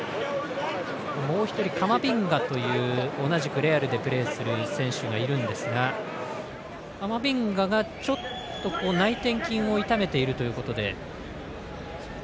もう１人、カマビンガという同じくレアルでプレーする選手がいるんですがカマビンガが内転筋を痛めているということで。